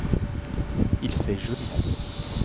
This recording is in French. Il fait joliment bon!